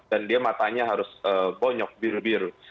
dan dia matanya harus bonyok biru biru